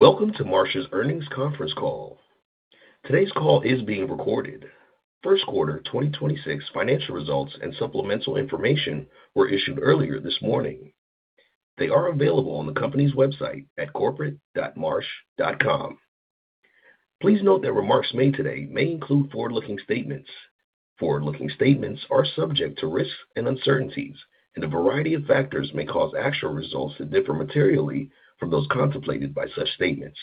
Welcome to Marsh's earnings conference call. Today's call is being recorded. Q1 2026 financial results and supplemental information were issued earlier this morning. They are available on the company's website at corporate.marsh.com. Please note that remarks made today may include forward-looking statements. Forward-looking statements are subject to risks and uncertainties, and a variety of factors may cause actual results to differ materially from those contemplated by such statements.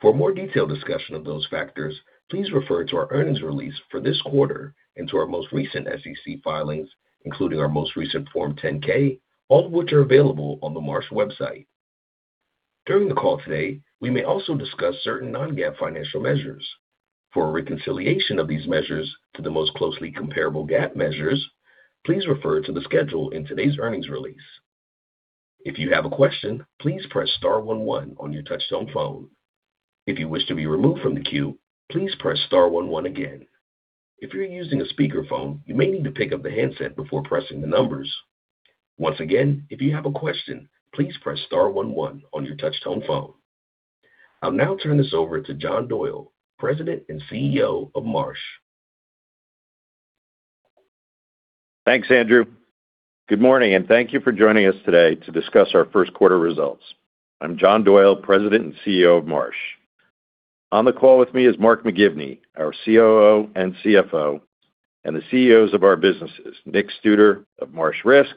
For a more detailed discussion of those factors, please refer to our earnings release for this quarter and to our most recent SEC filings, including our most recent Form 10-K, all of which are available on the Marsh website. During the call today, we may also discuss certain non-GAAP financial measures. For a reconciliation of these measures to the most closely comparable GAAP measures, please refer to the schedule in today's earnings release. If you have a question, please press star one one on your touchtone phone. If you wish to be removed from the queue, please press star one one again. If you're using a speakerphone, you may need to pick up the handset before pressing the numbers. Once again, if you have a question, please press star one one on your touchtone phone. I'll now turn this over to John Doyle, President and Chief Executive Officer of Marsh. Thanks, Andrew. Good morning, and thank you for joining us today to discuss our Q1 results. I'm John Doyle, President and Chief Executive Officer of Marsh. On the call with me is Mark McGivney, our Chief Operating Officer and Chief Financial Officer, and the Chief Executive Officers of our businesses, Nick Studer of Marsh Risk,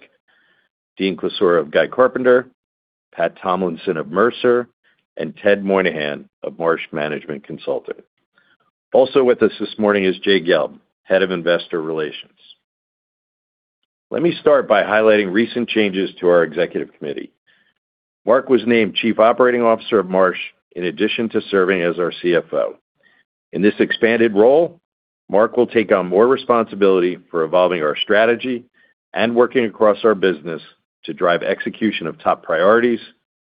Dean Klisura of Guy Carpenter, Pat Tomlinson of Mercer, and Ted Moynihan of Marsh Management Consulting. Also with us this morning is Jay Gelb, Head of Investor Relations. Let me start by highlighting recent changes to our executive committee. Mark was named Chief Operating Officer of Marsh in addition to serving as our Chief Financial Officer. In this expanded role, Mark will take on more responsibility for evolving our strategy and working across our business to drive execution of top priorities,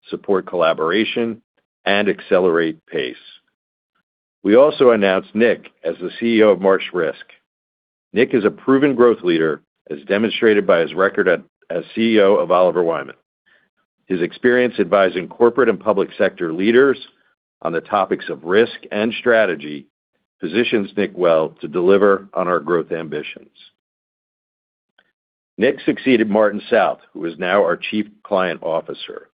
support collaboration, and accelerate pace. We also announced Nick as the Chief Executive Officer of Marsh Risk. Nick is a proven growth leader, as demonstrated by his record as Chief Executive Officer of Oliver Wyman. His experience advising corporate and public sector leaders on the topics of risk and strategy positions Nick well to deliver on our growth ambitions. Nick succeeded Martin South, who is now our Chief Client Officer.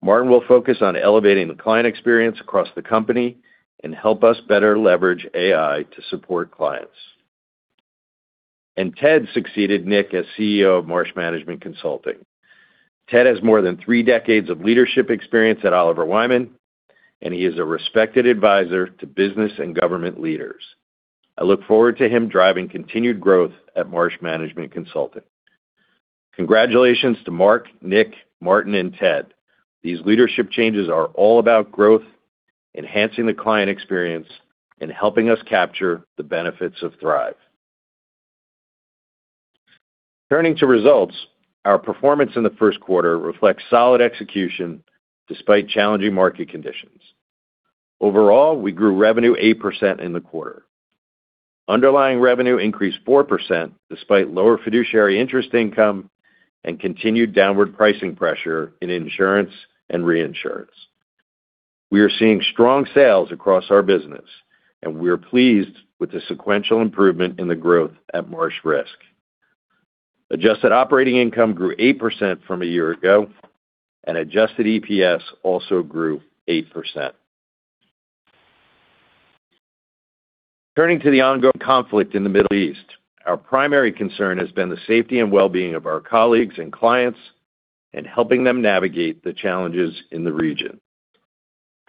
Martin will focus on elevating the client experience across the company and help us better leverage AI to support clients. Ted succeeded Nick as Chief Executive Officer of Marsh Management Consulting. Ted has more than three decades of leadership experience at Oliver Wyman, and he is a respected advisor to business and government leaders. I look forward to him driving continued growth at Marsh Management Consulting. Congratulations to Mark, Nick, Martin, and Ted. These leadership changes are all about growth, enhancing the client experience, and helping us capture the benefits of THRIVE. Turning to results, our performance in the Q1 reflects solid execution despite challenging market conditions. Overall, we grew revenue 8% in the quarter. Underlying revenue increased 4% despite lower fiduciary interest income and continued downward pricing pressure in insurance and reinsurance. We are seeing strong sales across our business, and we are pleased with the sequential improvement in the growth at Marsh Risk. Adjusted operating income grew 8% from a year ago, and adjusted EPS also grew 8%. Turning to the ongoing conflict in the Middle East, our primary concern has been the safety and wellbeing of our colleagues and clients and helping them navigate the challenges in the region.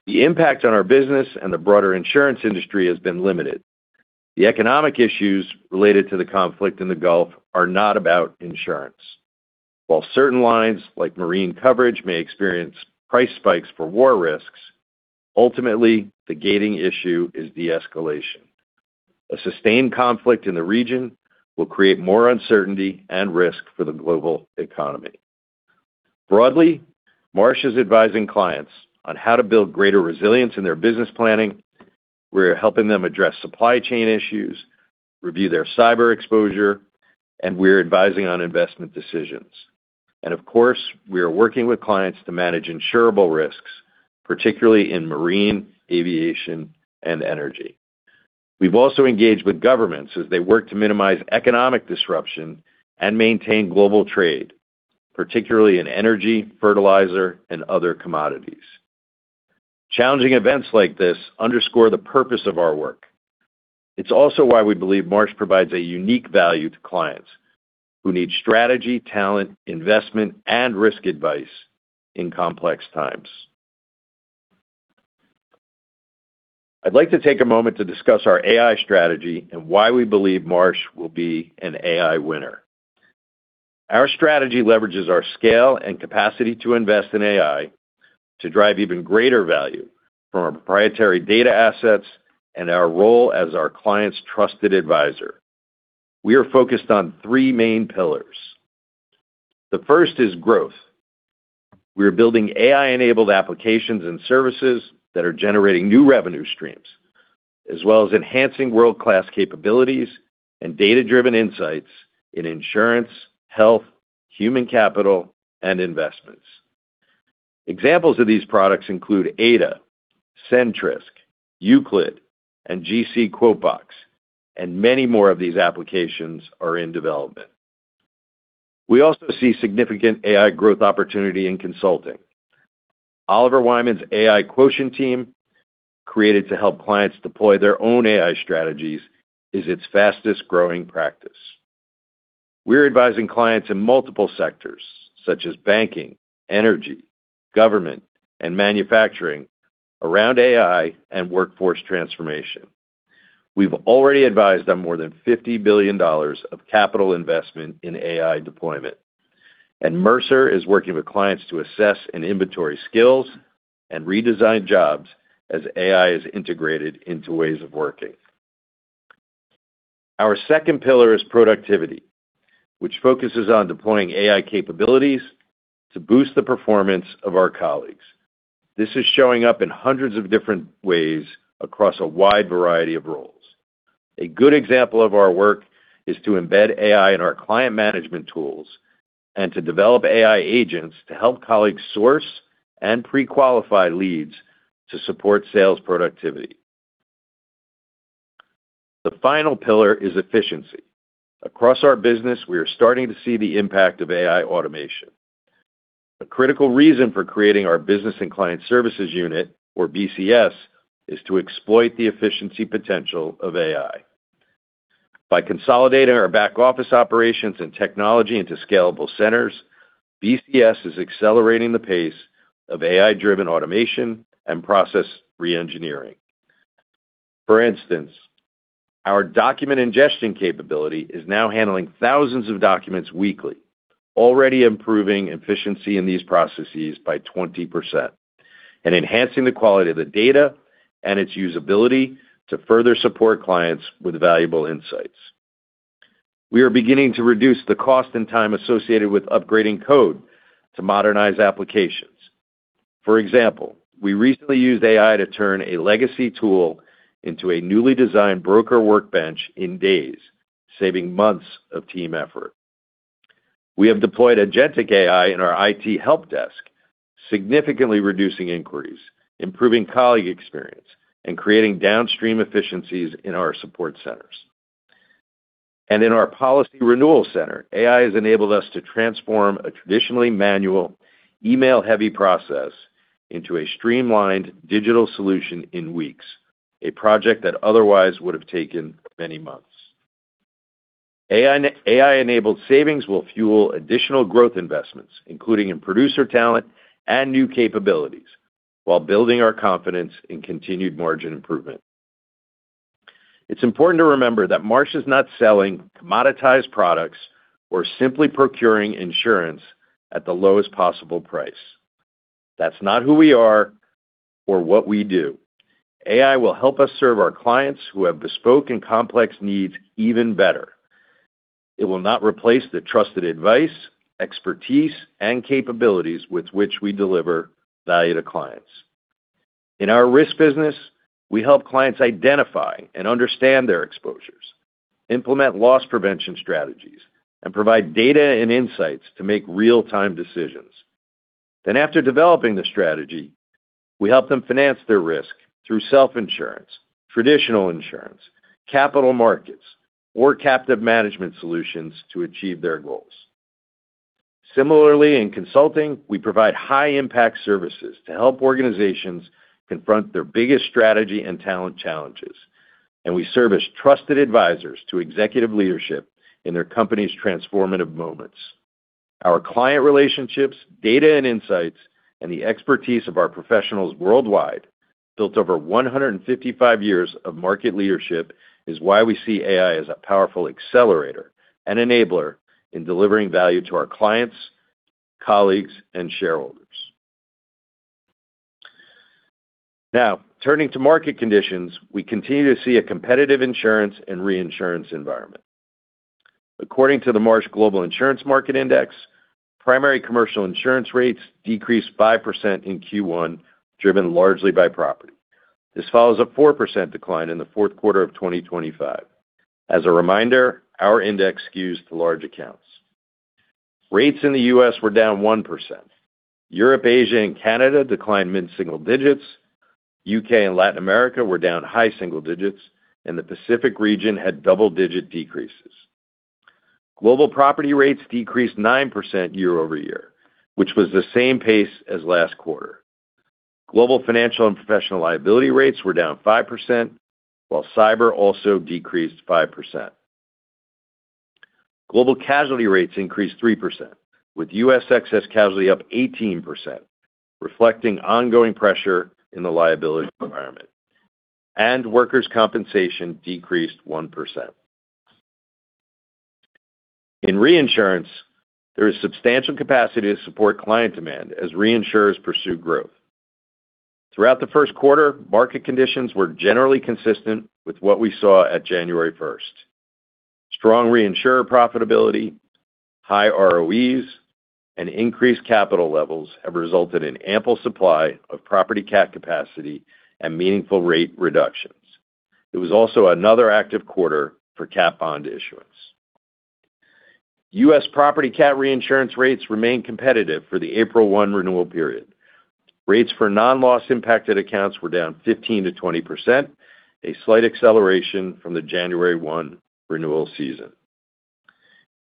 The impact on our business and the broader insurance industry has been limited. The economic issues related to the conflict in the Gulf are not about insurance. While certain lines like marine coverage may experience price spikes for war risks, ultimately, the gating issue is de-escalation. A sustained conflict in the region will create more uncertainty and risk for the global economy. Broadly, Marsh is advising clients on how to build greater resilience in their business planning, we're helping them address supply chain issues, review their cyber exposure, and we're advising on investment decisions. Of course, we are working with clients to manage insurable risks, particularly in marine, aviation, and energy. We've also engaged with governments as they work to minimize economic disruption and maintain global trade, particularly in energy, fertilizer, and other commodities. Challenging events like this underscore the purpose of our work. It's also why we believe Marsh provides a unique value to clients who need strategy, talent, investment, and risk advice in complex times. I'd like to take a moment to discuss our AI strategy and why we believe Marsh will be an AI winner. Our strategy leverages our scale and capacity to invest in AI to drive even greater value from our proprietary data assets and our role as our client's trusted advisor. We are focused on three main pillars. The first is growth. We are building AI-enabled applications and services that are generating new revenue streams as well as enhancing world-class capabilities and data-driven insights in insurance, health, human capital, and investments. Examples of these products include Ada, Sentrisk, Euclid, and GC QuoteBox, and many more of these applications are in development. We also see significant AI growth opportunity in consulting. Oliver Wyman's AI Quotient team, created to help clients deploy their own AI strategies, is its fastest-growing practice. We're advising clients in multiple sectors such as banking, energy, government, and manufacturing around AI and workforce transformation. We've already advised on more than $50 billion of capital investment in AI deployment. Mercer is working with clients to assess and inventory skills and redesign jobs as AI is integrated into ways of working. Our second pillar is productivity, which focuses on deploying AI capabilities to boost the performance of our colleagues. This is showing up in hundreds of different ways across a wide variety of roles. A good example of our work is to embed AI in our client management tools and to develop AI agents to help colleagues source and pre-qualify leads to support sales productivity. The final pillar is efficiency. Across our business, we are starting to see the impact of AI automation. A critical reason for creating our Business and Client Services unit, or BCS, is to exploit the efficiency potential of AI. By consolidating our back-office operations and technology into scalable centers, BCS is accelerating the pace of AI-driven automation and process re-engineering. For instance, our document ingestion capability is now handling thousands of documents weekly, already improving efficiency in these processes by 20% and enhancing the quality of the data and its usability to further support clients with valuable insights. We are beginning to reduce the cost and time associated with upgrading code to modernize applications. For example, we recently used AI to turn a legacy tool into a newly designed broker workbench in days, saving months of team effort. We have deployed agentic AI in our IT help desk, significantly reducing inquiries, improving colleague experience, and creating downstream efficiencies in our support centers. In our policy renewal center, AI has enabled us to transform a traditionally manual, email-heavy process into a streamlined digital solution in weeks, a project that otherwise would have taken many months. AI-enabled savings will fuel additional growth investments, including in producer talent and new capabilities, while building our confidence in continued margin improvement. It's important to remember that Marsh is not selling commoditized products or simply procuring insurance at the lowest possible price. That's not who we are or what we do. AI will help us serve our clients who have bespoke and complex needs even better. It will not replace the trusted advice, expertise, and capabilities with which we deliver value to clients. In our risk business, we help clients identify and understand their exposures, implement loss prevention strategies, and provide data and insights to make real-time decisions. After developing the strategy, we help them finance their risk through self-insurance, traditional insurance, capital markets, or captive management solutions to achieve their goals. Similarly, in consulting, we provide high-impact services to help organizations confront their biggest strategy and talent challenges, and we serve as trusted advisors to executive leadership in their company's transformative moments. Our client relationships, data and insights, and the expertise of our professionals worldwide, built over 155 years of market leadership, is why we see AI as a powerful accelerator and enabler in delivering value to our clients, colleagues, and shareholders. Now, turning to market conditions, we continue to see a competitive insurance and reinsurance environment. According to the Marsh Global Insurance Market Index, primary commercial insurance rates decreased 5% in Q1, driven largely by property. This follows a 4% decline in the Q4 of 2025. As a reminder, our index skews to large accounts. Rates in the U.S. were down 1%. Europe, Asia, and Canada declined mid-single digits, the U.K. and Latin America were down high single digits, and the Pacific region had double-digit decreases. Global property rates decreased 9% year-over-year, which was the same pace as last quarter. Global financial and professional liability rates were down 5%, while cyber also decreased 5%. Global casualty rates increased 3%, with U.S. excess casualty up 18%, reflecting ongoing pressure in the liability environment. Workers' compensation decreased 1%. In reinsurance, there is substantial capacity to support client demand as reinsurers pursue growth. Throughout the Q1, market conditions were generally consistent with what we saw at January 1st. Strong reinsurer profitability, high ROEs, and increased capital levels have resulted in ample supply of property cat capacity and meaningful rate reductions. It was also another active quarter for cat bond issuance. U.S. property cat reinsurance rates remained competitive for the April 1 renewal period. Rates for non-loss impacted accounts were down 15%-20%, a slight acceleration from the January 1 renewal season.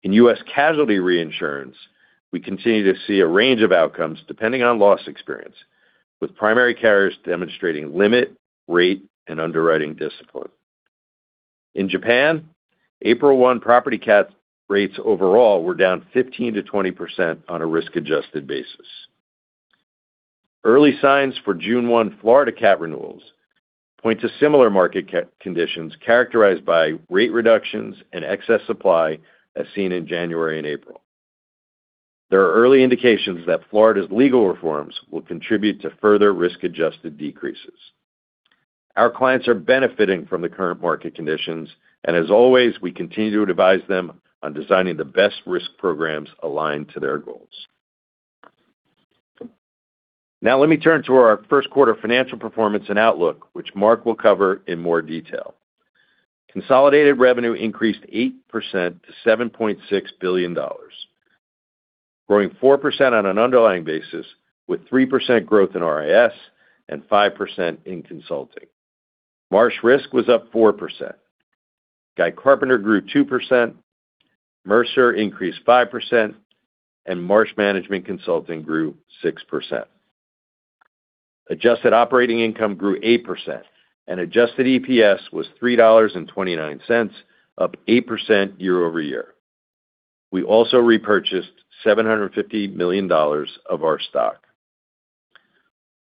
In U.S. casualty reinsurance, we continue to see a range of outcomes depending on loss experience, with primary carriers demonstrating limit, rate, and underwriting discipline. In Japan, April 1 property cat rates overall were down 15%-20% on a risk-adjusted basis. Early signs for June 1 Florida cat renewals point to similar market conditions characterized by rate reductions and excess supply as seen in January and April. There are early indications that Florida's legal reforms will contribute to further risk-adjusted decreases. Our clients are benefiting from the current market conditions, and as always, we continue to advise them on designing the best risk programs aligned to their goals. Now let me turn to our Q1 financial performance and outlook, which Mark will cover in more detail. Consolidated revenue increased 8% to $7.6 billion, growing 4% on an underlying basis with 3% growth in RIS and 5% in consulting. Marsh Risk was up 4%. Guy Carpenter grew 2%, Mercer increased 5%, and Marsh Management Consulting grew 6%. Adjusted operating income grew 8%, and adjusted EPS was $3.29, up 8% year-over-year. We also repurchased $750 million of our stock.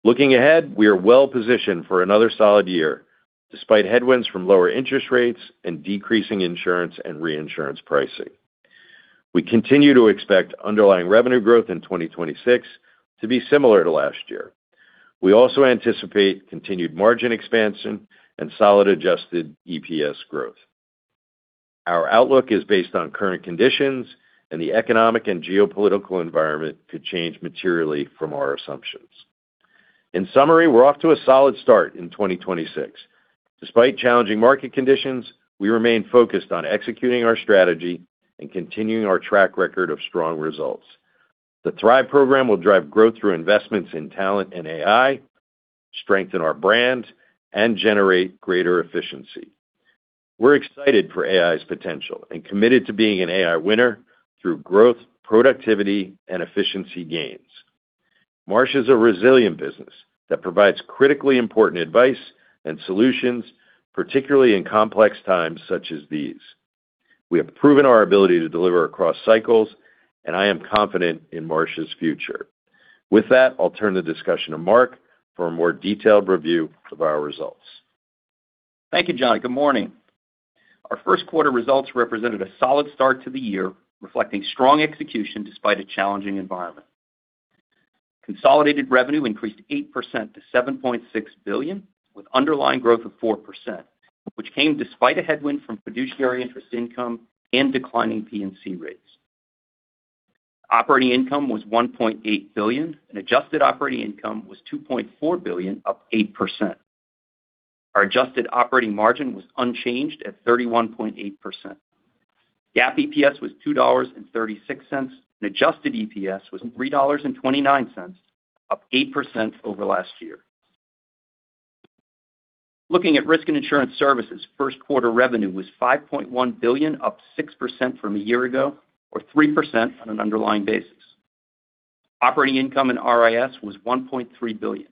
Looking ahead, we are well positioned for another solid year, despite headwinds from lower interest rates and decreasing insurance and reinsurance pricing. We continue to expect underlying revenue growth in 2026 to be similar to last year. We also anticipate continued margin expansion and solid adjusted EPS growth. Our outlook is based on current conditions, and the economic and geopolitical environment could change materially from our assumptions. In summary, we're off to a solid start in 2026. Despite challenging market conditions, we remain focused on executing our strategy and continuing our track record of strong results. The THRIVE program will drive growth through investments in talent and AI, strengthen our brand, and generate greater efficiency. We're excited for AI's potential and committed to being an AI winner through growth, productivity, and efficiency gains. Marsh is a resilient business that provides critically important advice and solutions, particularly in complex times such as these. We have proven our ability to deliver across cycles, and I am confident in Marsh's future. With that, I'll turn the discussion to Mark for a more detailed review of our results. Thank you, John. Good morning. Our Q1 results represented a solid start to the year, reflecting strong execution despite a challenging environment. Consolidated revenue increased 8% to $7.6 billion, with underlying growth of 4%, which came despite a headwind from fiduciary interest income and declining P&C rates. Operating income was $1.8 billion, and adjusted operating income was $2.4 billion, up 8%. Our adjusted operating margin was unchanged at 31.8%. GAAP EPS was $2.36, and adjusted EPS was $3.29, up 8% over last year. Looking at Risk and Insurance Services, Q1 revenue was $5.1 billion, up 6% from a year ago or 3% on an underlying basis. Operating income in RIS was $1.3 billion.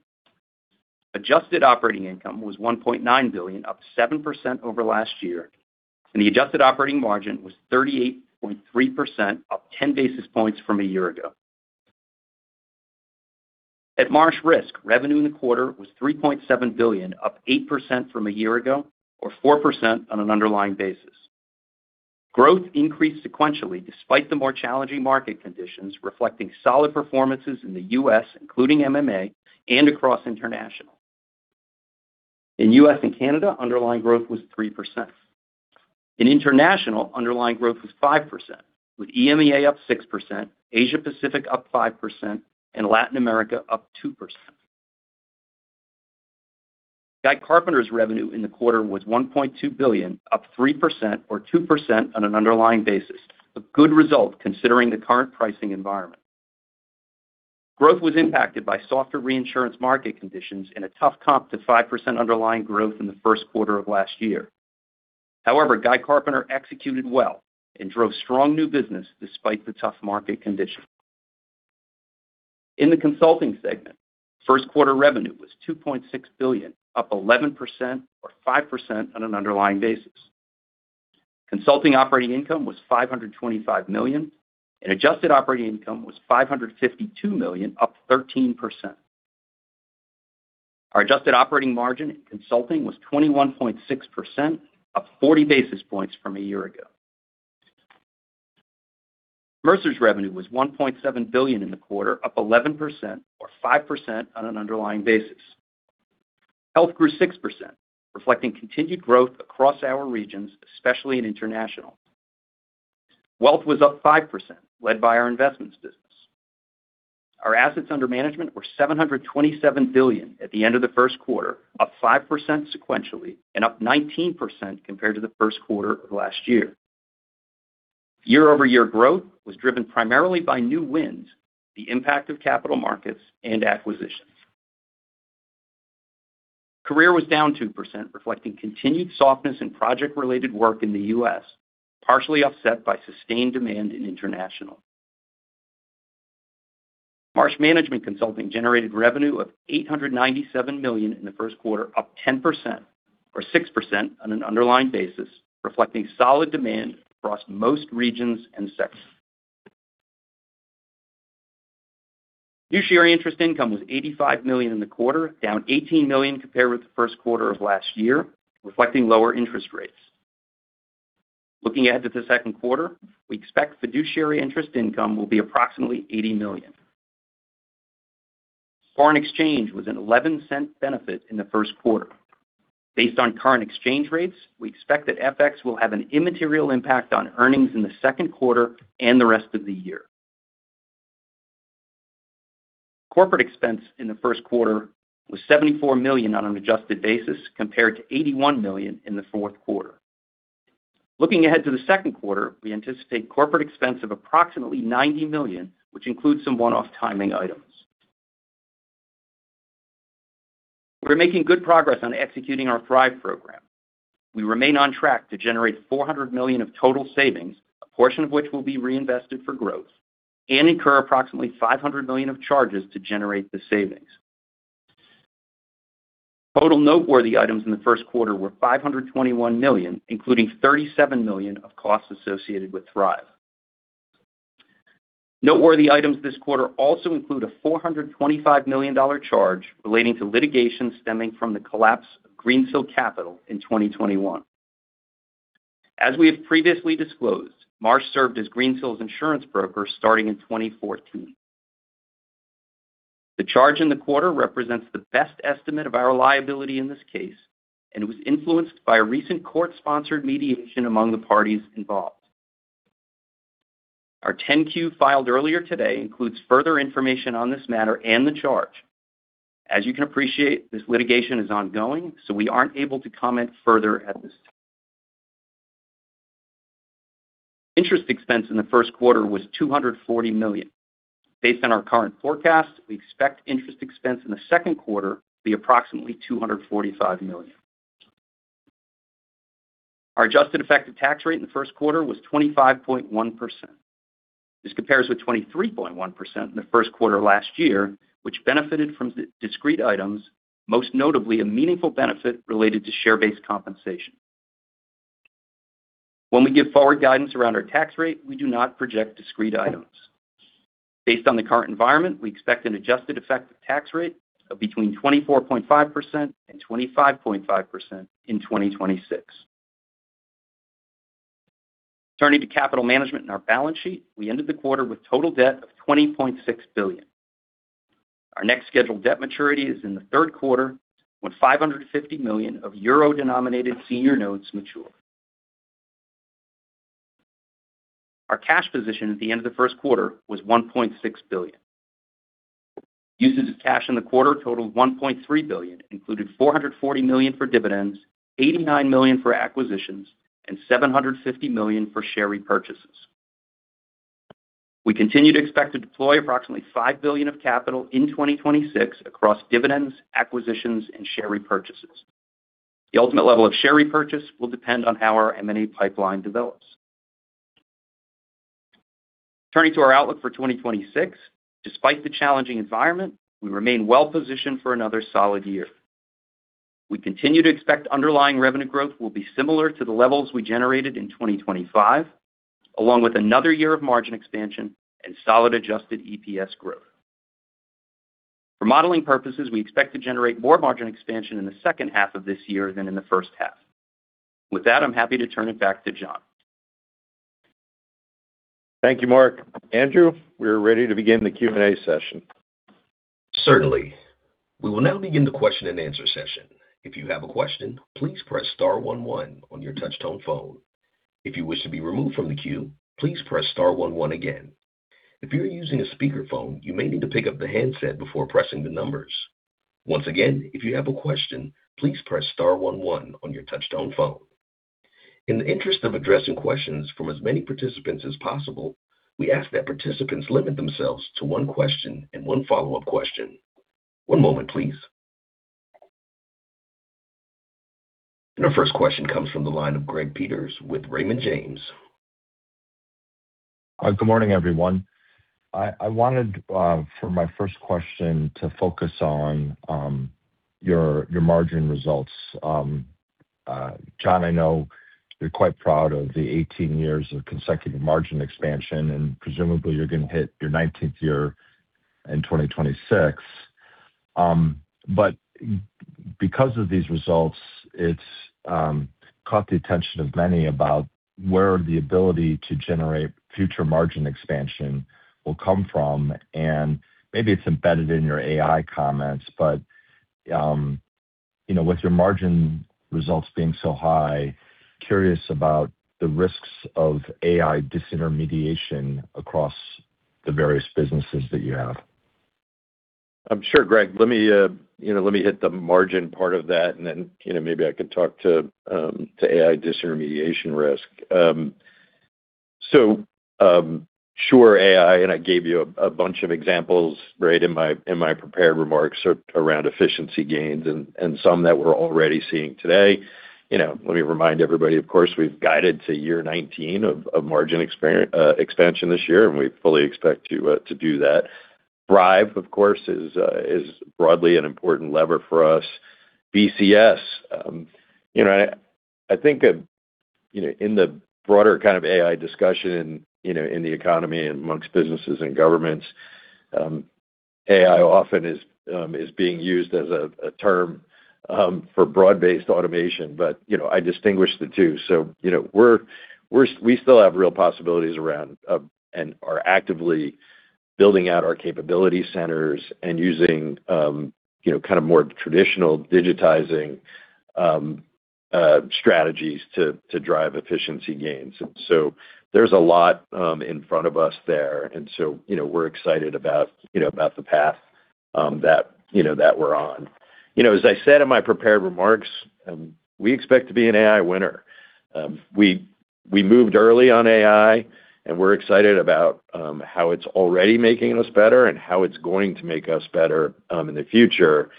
Adjusted operating income was $1.9 billion, up 7% over last year, and the adjusted operating margin was 38.3%, up 10 basis points from a year ago. At Marsh Risk, revenue in the quarter was $3.7 billion, up 8% from a year ago or 4% on an underlying basis. Growth increased sequentially despite the more challenging market conditions reflecting solid performances in the U.S., including MMA and across international. In U.S. and Canada, underlying growth was 3%. In international, underlying growth was 5%, with EMEA up 6%, Asia Pacific up 5%, and Latin America up 2%. Guy Carpenter's revenue in the quarter was $1.2 billion, up 3% or 2% on an underlying basis, a good result considering the current pricing environment. Growth was impacted by softer reinsurance market conditions and a tough comp to 5% underlying growth in the Q1 of last year. However, Guy Carpenter executed well and drove strong new business despite the tough market conditions. In the consulting segment, Q1 revenue was $2.6 billion, up 11% or 5% on an underlying basis. Consulting operating income was $525 million, and adjusted operating income was $552 million, up 13%. Our adjusted operating margin in consulting was 21.6%, up 40 basis points from a year ago. Mercer's revenue was $1.7 billion in the quarter, up 11% or 5% on an underlying basis. Health grew 6%, reflecting continued growth across our regions, especially in international. Wealth was up 5%, led by our investments business. Our assets under management were $727 billion at the end of the Q1, up 5% sequentially and up 19% compared to the Q1 of last year. Year-over-year growth was driven primarily by new wins, the impact of capital markets, and acquisitions. Career was down 2%, reflecting continued softness in project-related work in the U.S., partially offset by sustained demand in international. Marsh Management Consulting generated revenue of $897 million in the Q1, up 10% or 6% on an underlying basis, reflecting solid demand across most regions and sectors. Fiduciary interest income was $85 million in the quarter, down $18 million compared with the Q1 of last year, reflecting lower interest rates. Looking ahead to the Q2, we expect fiduciary interest income will be approximately $80 million. Foreign exchange was a $0.11 benefit in the Q1. Based on current exchange rates, we expect that FX will have an immaterial impact on earnings in the Q2 and the rest of the year. Corporate expense in the Q1 was $74 million on an adjusted basis, compared to $81 million in the Q4. Looking ahead to the Q2, we anticipate corporate expense of approximately $90 million, which includes some one-off timing items. We're making good progress on executing our Thrive program. We remain on track to generate $400 million of total savings, a portion of which will be reinvested for growth, and incur approximately $500 million of charges to generate the savings. Total noteworthy items in the Q1 were $521 million, including $37 million of costs associated with Thrive. Noteworthy items this quarter also include a $425 million charge relating to litigation stemming from the collapse of Greensill Capital in 2021. As we have previously disclosed, Marsh served as Greensill's insurance broker starting in 2014. The charge in the quarter represents the best estimate of our liability in this case, and was influenced by a recent court-sponsored mediation among the parties involved. Our 10-Q filed earlier today includes further information on this matter and the charge. As you can appreciate, this litigation is ongoing, so we aren't able to comment further at this time. Interest expense in the Q1 was $240 million. Based on our current forecast, we expect interest expense in the Q2 to be approximately $245 million. Our adjusted effective tax rate in the Q1 was 25.1%. This compares with 23.1% in the Q1 last year, which benefited from discrete items, most notably a meaningful benefit related to share-based compensation. When we give forward guidance around our tax rate, we do not project discrete items. Based on the current environment, we expect an adjusted effective tax rate of between 24.5% and 25.5% in 2026. Turning to capital management and our balance sheet, we ended the quarter with total debt of $20.6 billion. Our next scheduled debt maturity is in the Q3, when $550 million of euro-denominated senior notes mature. Our cash position at the end of the Q1 was $1.6 billion. Usage of cash in the quarter totaled $1.3 billion, including $440 million for dividends, $89 million for acquisitions, and $750 million for share repurchases. We continue to expect to deploy approximately $5 billion of capital in 2026 across dividends, acquisitions, and share repurchases. The ultimate level of share repurchase will depend on how our M&A pipeline develops. Turning to our outlook for 2026, despite the challenging environment, we remain well-positioned for another solid year. We continue to expect underlying revenue growth will be similar to the levels we generated in 2025, along with another year of margin expansion and solid adjusted EPS growth. For modeling purposes, we expect to generate more margin expansion in the second half of this year than in the first half. With that, I'm happy to turn it back to John. Thank you, Mark. Andrew, we are ready to begin the Q&A session. Certainly. We will now begin the question and answer session. If you have a question, please press star one one on your touchtone phone. If you wish to be removed from the queue, please press star one one again. If you're using a speakerphone, you may need to pick up the handset before pressing the numbers. Once again, if you have a question, please press star one one on your touchtone phone. In the interest of addressing questions from as many participants as possible, we ask that participants limit themselves to one question and one follow-up question. One moment, please. Our first question comes from the line of Greg Peters with Raymond James. Good morning, everyone. I wanted for my first question to focus on your margin results. John, I know you're quite proud of the 18 years of consecutive margin expansion, and presumably you're going to hit your 19th year in 2026. Because of these results, it's caught the attention of many about where the ability to generate future margin expansion will come from, and maybe it's embedded in your AI comments, but with your margin results being so high, curious about the risks of AI disintermediation across the various businesses that you have? Sure, Greg. Let me hit the margin part of that, and then maybe I could talk to AI disintermediation risk. Sure, AI, and I gave you a bunch of examples in my prepared remarks around efficiency gains and some that we're already seeing today. Let me remind everybody, of course, we've guided to 9% of margin expansion this year, and we fully expect to do that. Thrive, of course, is broadly an important lever for us. BCS, I think in the broader kind of AI discussion in the economy and amongst businesses and governments, AI often is being used as a term for broad-based automation. I distinguish the two. We still have real possibilities around and are actively building out our capability centers and using more traditional digitizing strategies to drive efficiency gains. There's a lot in front of us there, and so we're excited about the path that we're on. As I said in my prepared remarks, we expect to be an AI winner. We moved early on AI, and we're excited about how it's already making us better and how it's going to make us better in the future.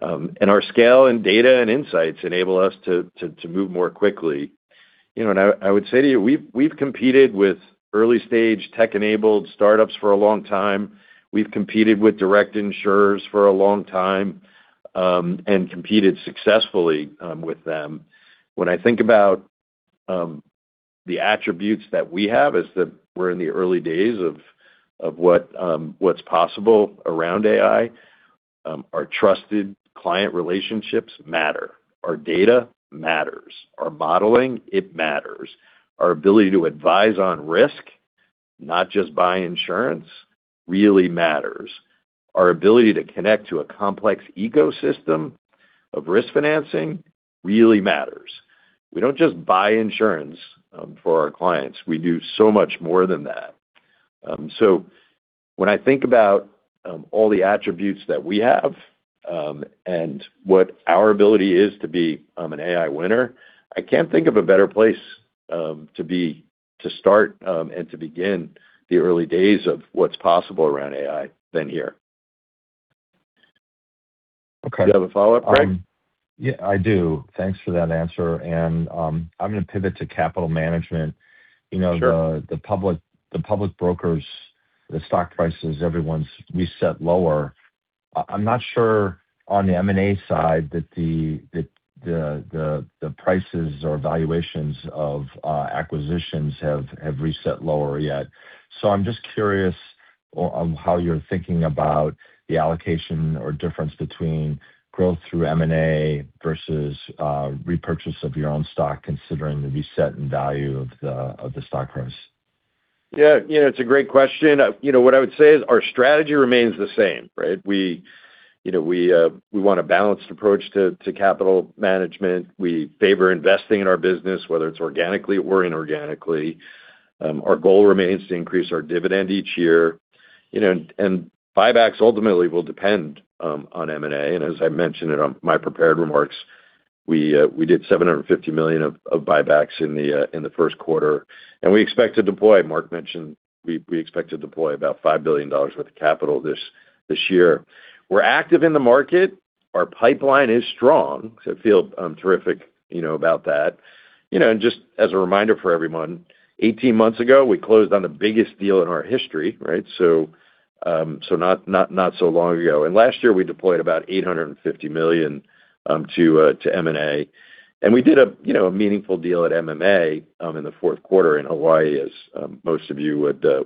Our scale and data and insights enable us to move more quickly. I would say to you, we've competed with early-stage tech-enabled startups for a long time. We've competed with direct insurers for a long time and competed successfully with them. When I think about the attributes that we have is that we're in the early days of what's possible around AI. Our trusted client relationships matter. Our data matters. Our modeling, it matters. Our ability to advise on risk, not just buy insurance, really matters. Our ability to connect to a complex ecosystem of risk financing really matters. We don't just buy insurance for our clients. We do so much more than that. When I think about all the attributes that we have, and what our ability is to be an AI winner, I can't think of a better place to start and to begin the early days of what's possible around AI than here. Okay. Do you have a follow-up, Greg? Yeah, I do. Thanks for that answer. I'm going to pivot to capital management. Sure. The public brokers, the stock prices, everyone's reset lower. I'm not sure on the M&A side that the prices or valuations of acquisitions have reset lower yet. I'm just curious on how you're thinking about the allocation or difference between growth through M&A versus repurchase of your own stock, considering the reset in value of the stock price? Yeah. It's a great question. What I would say is our strategy remains the same, right? We want a balanced approach to capital management. We favor investing in our business, whether it's organically or inorganically. Our goal remains to increase our dividend each year. Buybacks ultimately will depend on M&A, and as I mentioned in my prepared remarks, we did $750 million of buybacks in the Q1, and Mark mentioned we expect to deploy about $5 billion worth of capital this year. We're active in the market. Our pipeline is strong, so I feel terrific about that. Just as a reminder for everyone, 18 months ago, we closed on the biggest deal in our history, so not so long ago. Last year, we deployed about $850 million to M&A. We did a meaningful deal at MMA in the Q4 in Hawaii as most of you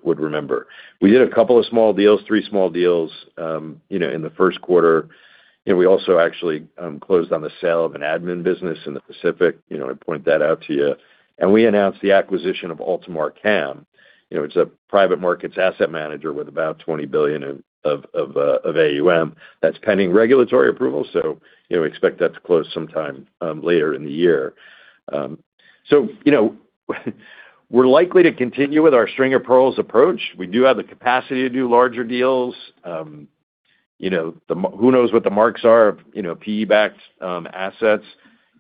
would remember. We did a couple of small deals, 3 small deals in the Q1. We also actually closed on the sale of an admin business in the Pacific, I point that out to you. We announced the acquisition of AltamarCAM. It's a private markets asset manager with about €20 billion of AUM that's pending regulatory approval, so expect that to close sometime later in the year. We're likely to continue with our string of pearls approach. We do have the capacity to do larger deals. Who knows what the marks are of PE-backed assets?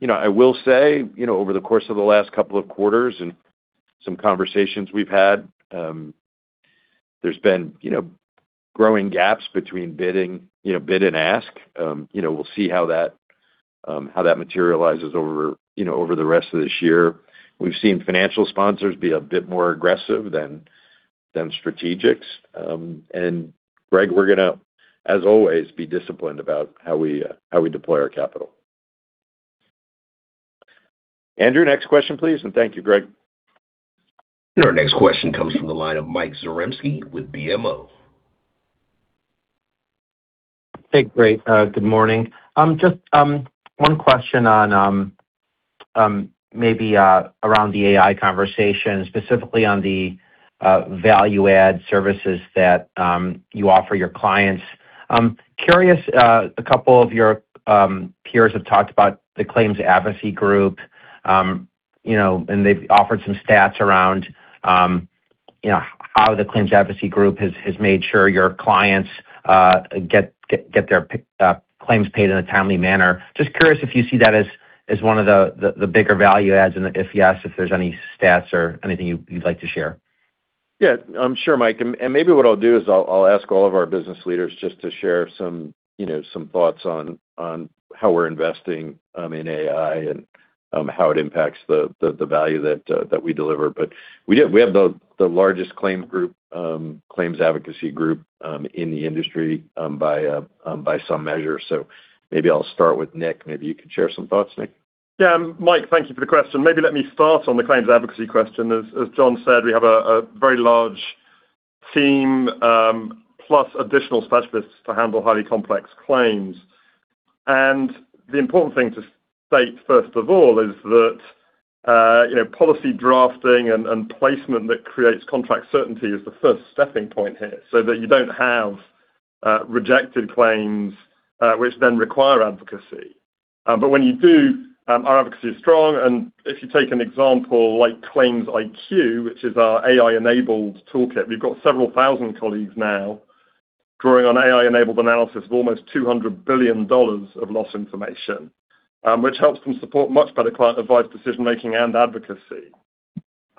I will say, over the course of the last couple of quarters and some conversations we've had, there's been growing gaps between bid and ask. We'll see how that materializes over the rest of this year. We've seen financial sponsors be a bit more aggressive than strategics. Greg, we're going to, as always, be disciplined about how we deploy our capital. Andrew, next question, please, and thank you, Greg. Our next question comes from the line of Mike Zaremski with BMO. Hey, great. Good morning. Just one question on maybe around the AI conversation, specifically on the value-add services that you offer your clients. Curious, a couple of your peers have talked about the claims advocacy group, and they've offered some stats around how the claims advocacy group has made sure your clients get their claims paid in a timely manner. Just curious if you see that as one of the bigger value adds, and if yes, if there's any stats or anything you'd like to share. Yeah. Sure, Mike. Maybe what I'll do is I'll ask all of our business leaders just to share some thoughts on how we're investing in AI and how it impacts the value that we deliver. We have the largest claims advocacy group in the industry by some measure. Maybe I'll start with Nick. Maybe you could share some thoughts, Nick. Yeah. Mike, thank you for the question. Maybe let me start on the claims advocacy question. As John said, we have a very large team, plus additional specialists to handle highly complex claims. The important thing to state, first of all, is that policy drafting and placement that creates contract certainty is the first stepping point here, so that you don't have rejected claims, which then require advocacy. But when you do, our advocacy is strong, and if you take an example like Claims IQ, which is our AI-enabled toolkit, we've got several thousand colleagues now drawing on AI-enabled analysis of almost $200 billion of loss information, which helps them support much better client advice, decision-making, and advocacy.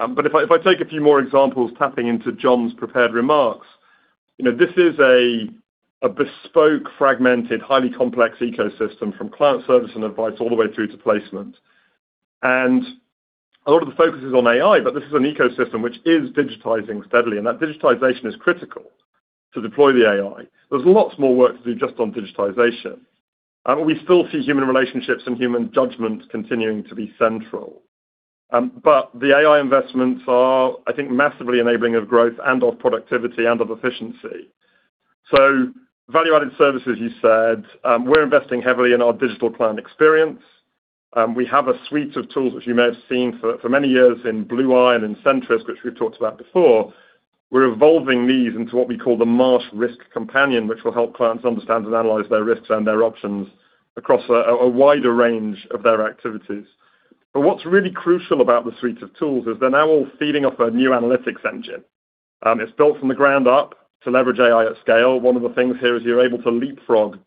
If I take a few more examples, tapping into John's prepared remarks, this is a bespoke, fragmented, highly complex ecosystem from client service and advice all the way through to placement. A lot of the focus is on AI, but this is an ecosystem which is digitizing steadily, and that digitization is critical to deploy the AI. There's lots more work to do just on digitization. We still see human relationships and human judgment continuing to be central. The AI investments are, I think, massively enabling of growth and of productivity and of efficiency. Value-added services, you said, we're investing heavily in our digital plan experience. We have a suite of tools which you may have seen for many years in Blue[i] and in Centris, which we've talked about before. We're evolving these into what we call the Marsh Risk Companion, which will help clients understand and analyze their risks and their options across a wider range of their activities. What's really crucial about the suite of tools is they're now all feeding off our new analytics engine. It's built from the ground up to leverage AI at scale. One of the things here is you're able to leapfrog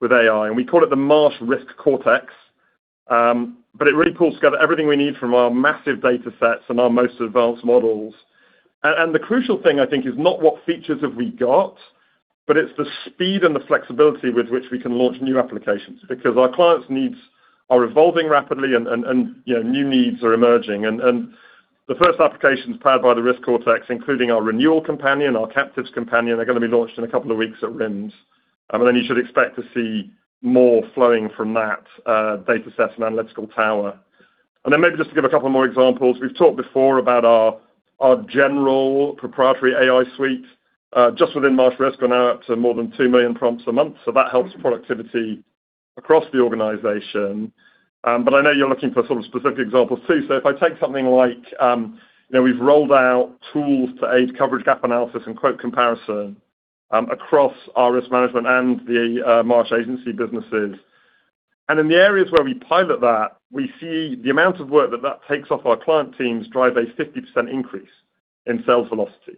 with AI, and we call it the Marsh Risk Cortex. It really pulls together everything we need from our massive data sets and our most advanced models. The crucial thing I think is not what features have we got, but it's the speed and the flexibility with which we can launch new applications, because our clients' needs are evolving rapidly and new needs are emerging. The first applications powered by the Risk Cortex, including our renewal companion, our captives companion, they're going to be launched in a couple of weeks at RIMS. You should expect to see more flowing from that data set and analytical tower. Maybe just to give a couple more examples, we've talked before about our general proprietary AI suite. Just within Marsh Risk, we're now up to more than 2 million prompts a month, so that helps productivity across the organization. I know you're looking for sort of specific examples too. If I take something like, we've rolled out tools to aid coverage gap analysis and quote comparison across our risk management and the Marsh agency businesses. In the areas where we pilot that, we see the amount of work that takes off our client teams, drive a 50% increase in sales velocity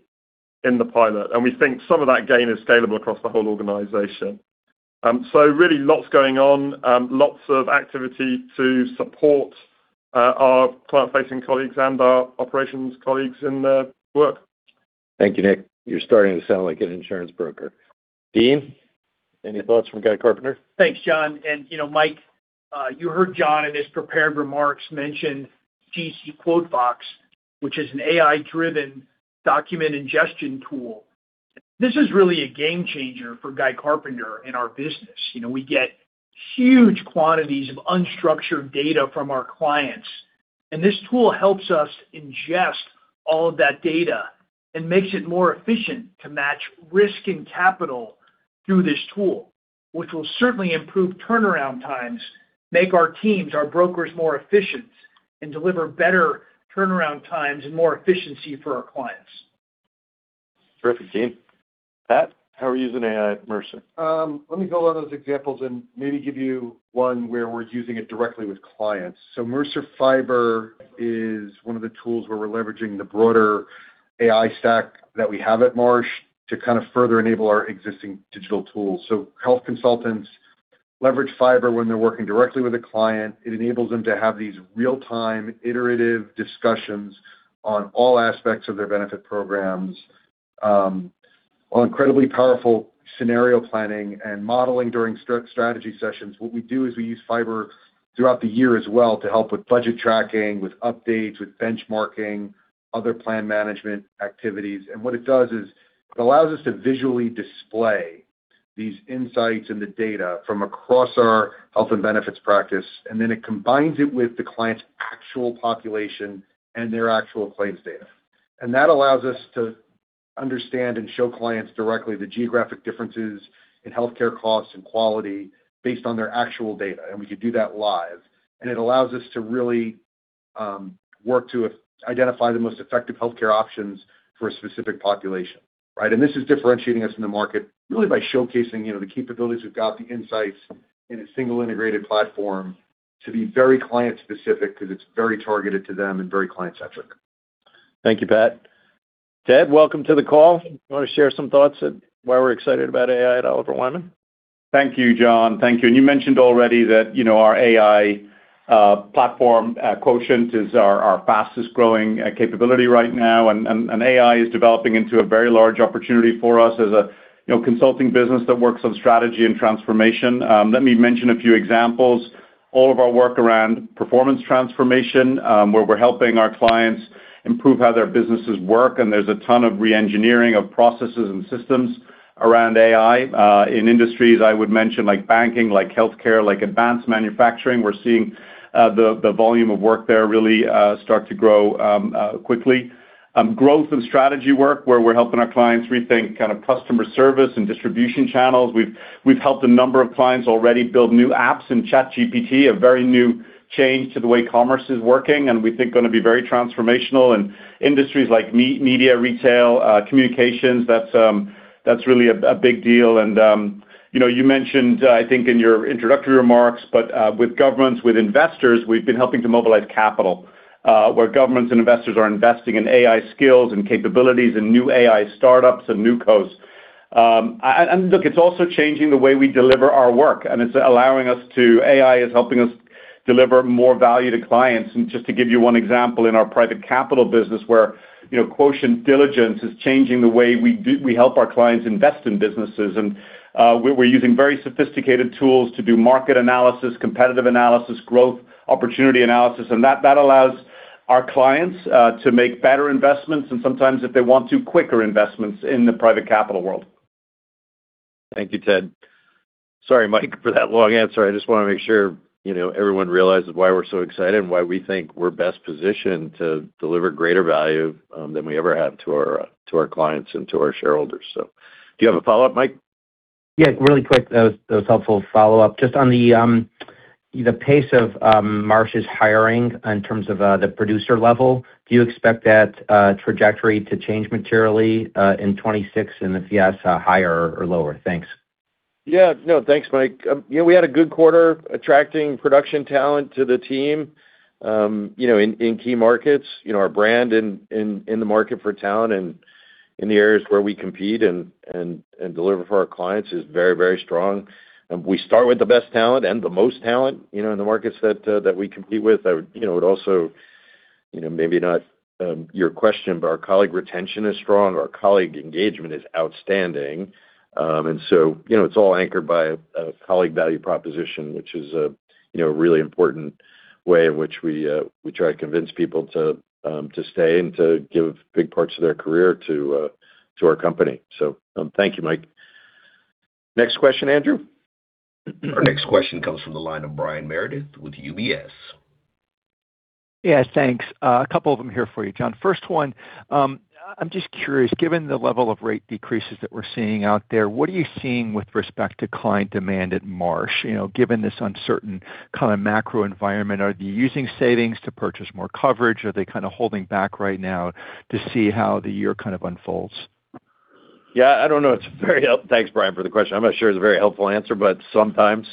in the pilot. We think some of that gain is scalable across the whole organization. Really lots going on, lots of activity to support our client-facing colleagues and our operations colleagues in their work. Thank you, Nick. You're starting to sound like an insurance broker. Dean, any thoughts from Guy Carpenter? Thanks, John. Mike, you heard John in his prepared remarks mention GC QuoteBox, which is an AI-driven document ingestion tool. This is really a game changer for Guy Carpenter in our business. We get huge quantities of unstructured data from our clients, and this tool helps us ingest all of that data and makes it more efficient to match risk and capital through this tool, which will certainly improve turnaround times, make our teams, our brokers more efficient, and deliver better turnaround times and more efficiency for our clients. Terrific, Dean. Pat, how are you using AI at Mercer? Let me build on those examples and maybe give you one where we're using it directly with clients. Mercer Fiber is one of the tools where we're leveraging the broader AI stack that we have at Marsh to kind of further enable our existing digital tools. Health consultants leverage Fiber when they're working directly with a client. It enables them to have these real-time, iterative discussions on all aspects of their benefit programs, on incredibly powerful scenario planning, and modeling during strategy sessions. What we do is we use Fiber throughout the year as well to help with budget tracking, with updates, with benchmarking, other plan management activities. What it does is it allows us to visually display these insights and the data from across our health and benefits practice, and then it combines it with the client's actual population and their actual claims data. That allows us to understand and show clients directly the geographic differences in healthcare costs and quality based on their actual data, and we could do that live. It allows us to really work to identify the most effective healthcare options for a specific population, right? This is differentiating us in the market really by showcasing the capabilities we've got, the insights in a single integrated platform to be very client-specific because it's very targeted to them and very client-centric. Thank you, Pat. Ted, welcome to the call. You want to share some thoughts on why we're excited about AI at Oliver Wyman? Thank you, John. Thank you. You mentioned already that our AI platform, Quotient, is our fastest-growing capability right now, and AI is developing into a very large opportunity for us as a consulting business that works on strategy and transformation. Let me mention a few examples. All of our work around performance transformation, where we're helping our clients improve how their businesses work, and there's a ton of re-engineering of processes and systems around AI. In industries I would mention, like banking, like healthcare, like advanced manufacturing, we're seeing the volume of work there really start to grow quickly. Growth and strategy work, where we're helping our clients rethink kind of customer service and distribution channels. We've helped a number of clients already build new apps in ChatGPT, a very new change to the way commerce is working, and we think going to be very transformational in industries like media, retail, communications. That's really a big deal. You mentioned, I think, in your introductory remarks, but with governments, with investors, we've been helping to mobilize capital, where governments and investors are investing in AI skills and capabilities and new AI startups and new co-investments. Look, it's also changing the way we deliver our work, and it's allowing us to. AI is helping us deliver more value to clients. Just to give you one example, in our private capital business where Quotient Diligence is changing the way we help our clients invest in businesses. We're using very sophisticated tools to do market analysis, competitive analysis, growth, opportunity analysis, and that allows our clients to make better investments, and sometimes if they want to, quicker investments in the private capital world. Thank you, Ted. Sorry, Mike, for that long answer. I just want to make sure everyone realizes why we're so excited and why we think we're best positioned to deliver greater value than we ever have to our clients and to our shareholders. Do you have a follow-up, Mike? Yeah, really quick. That was a helpful follow-up. Just on the pace of Marsh's hiring in terms of the producer level, do you expect that trajectory to change materially in 2026? If yes, higher or lower? Thanks. Yeah. No, thanks, Mike. We had a good quarter attracting production talent to the team in key markets. Our brand in the market for talent and in the areas where we compete and deliver for our clients is very, very strong. We start with the best talent and the most talent in the markets that we compete with. I would also, maybe not your question, but our colleague retention is strong. Our colleague engagement is outstanding. It's all anchored by a colleague value proposition, which is a really important way in which we try to convince people to stay and to give big parts of their career to our company. So thank you, Mike. Next question, Andrew. Our next question comes from the line of Brian Meredith with UBS. Yeah, thanks. A couple of them here for you, John. First one, I'm just curious, given the level of rate decreases that we're seeing out there, what are you seeing with respect to client demand at Marsh? Given this uncertain kind of macro environment, are they using savings to purchase more coverage? Are they kind of holding back right now to see how the year kind of unfolds? Yeah, I don't know. Thanks, Brian, for the question. I'm not sure it's a very helpful answer, but sometimes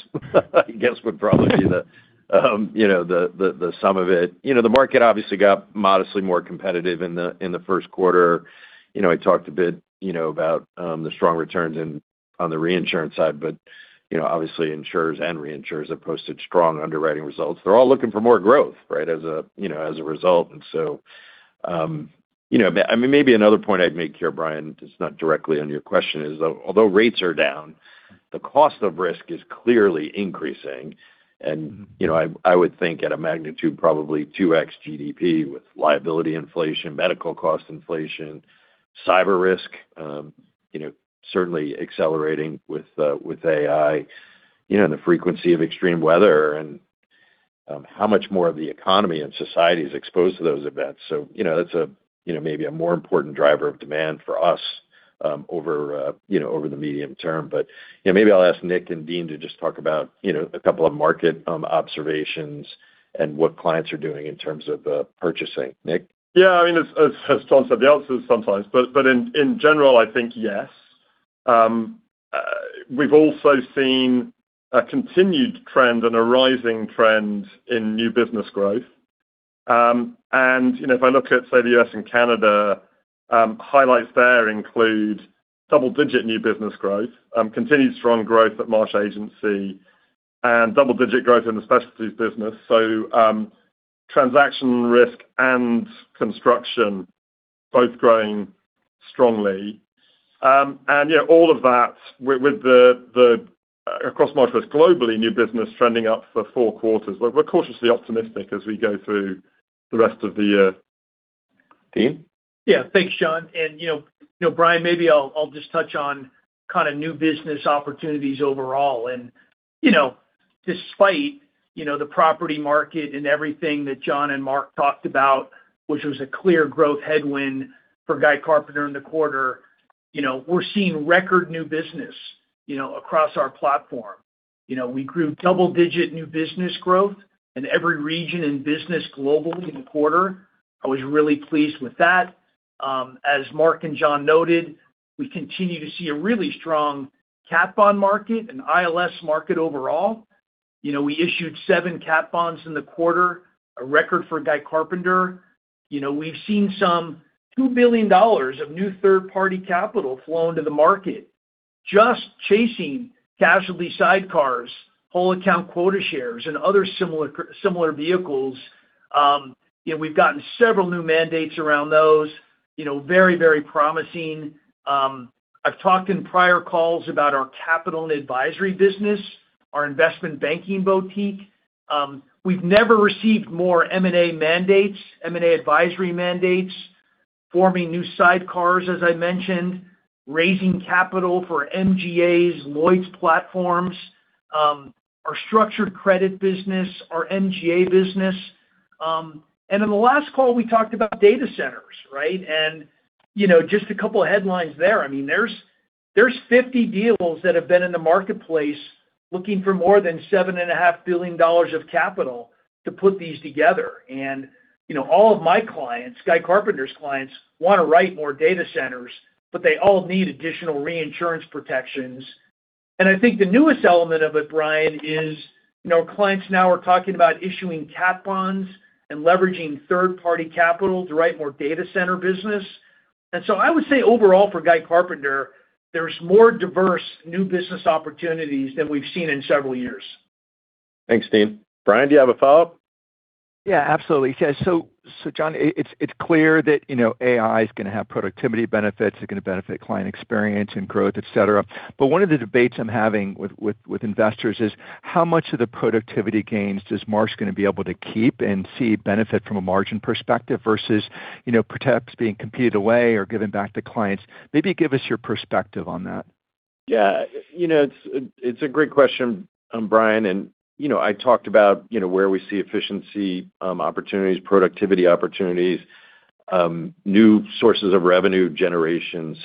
I guess would probably be the sum of it. The market obviously got modestly more competitive in the Q1. I talked a bit about the strong returns on the reinsurance side, but obviously insurers and reinsurers have posted strong underwriting results. They're all looking for more growth as a result. Maybe another point I'd make here, Brian, it's not directly on your question, is although rates are down, the cost of risk is clearly increasing. I would think at a magnitude probably 2x GDP with liability inflation, medical cost inflation, cyber risk certainly accelerating with AI, and the frequency of extreme weather, and how much more of the economy and society is exposed to those events. That's maybe a more important driver of demand for us over the medium term. Maybe I'll ask Nick and Dean to just talk about a couple of market observations and what clients are doing in terms of purchasing. Nick? Yeah, as John said, the answer is sometimes. In general, I think, yes. We've also seen a continued trend and a rising trend in new business growth. If I look at, say, the U.S. and Canada, highlights there include double-digit new business growth, continued strong growth at Marsh Agency, and double-digit growth in the specialties business, transaction risk and construction both growing strongly, all of that across Marsh globally, new business trending up for four quarters. We're cautiously optimistic as we go through the rest of the year. Dean? Yeah. Thanks, John. Brian, maybe I'll just touch on kind of new business opportunities overall. Despite the property market and everything that John and Mark talked about, which was a clear growth headwind for Guy Carpenter in the quarter, we're seeing record new business across our platform. We grew double-digit new business growth in every region in business globally in the quarter. I was really pleased with that. As Mark and John noted, we continue to see a really strong cat bond market, an ILS market overall. We issued seven cat bonds in the quarter, a record for Guy Carpenter. We've seen some $2 billion of new third-party capital flow into the market, just chasing casualty sidecars, whole account quota shares, and other similar vehicles. We've gotten several new mandates around those. Very promising. I've talked in prior calls about our capital and advisory business, our investment banking boutique. We've never received more M&A mandates, M&A advisory mandates, forming new sidecars, as I mentioned, raising capital for MGAs, Lloyd's platforms, our structured credit business, our MGA business. In the last call, we talked about data centers, right? Just a couple of headlines there. There are 50 deals that have been in the marketplace looking for more than $7.5 billion of capital to put these together. All of my clients, Guy Carpenter's clients, want to write more data centers, but they all need additional reinsurance protections. I think the newest element of it, Brian, is clients now are talking about issuing cat bonds and leveraging third-party capital to write more data center business. I would say overall for Guy Carpenter, there's more diverse new business opportunities than we've seen in several years. Thanks, Dean. Brian, do you have a follow-up? Yeah, absolutely. John, it's clear that AI is going to have productivity benefits, it's going to benefit client experience and growth, et cetera. One of the debates I'm having with investors is how much of the productivity gains does Marsh going to be able to keep and see benefit from a margin perspective versus perhaps being competed away or given back to clients. Maybe give us your perspective on that. Yeah. It's a great question, Brian, and I talked about where we see efficiency opportunities, productivity opportunities, new sources of revenue generation.